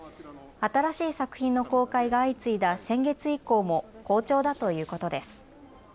新しい作品の公開が相次いだ先月以降も好調だということです。